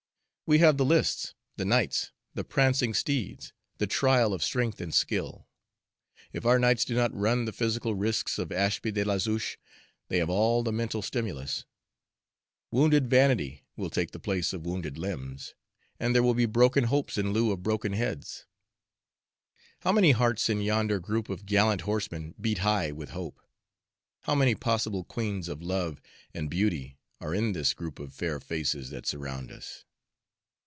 We have the lists, the knights, the prancing steeds, the trial of strength and skill. If our knights do not run the physical risks of Ashby de la Zouch, they have all the mental stimulus. Wounded vanity will take the place of wounded limbs, and there will be broken hopes in lieu of broken heads. How many hearts in yonder group of gallant horsemen beat high with hope! How many possible Queens of Love and Beauty are in this group of fair faces that surround us!"